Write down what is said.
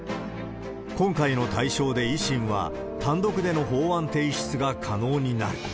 今回の大勝で維新は、単独での法案提出が可能になる。